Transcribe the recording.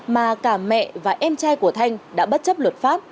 mà cả mẹ và em trai của thanh đã bất chấp luật pháp